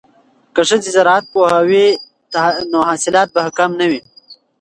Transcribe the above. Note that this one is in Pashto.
که ښځې زراعت پوهې وي نو حاصلات به کم نه وي.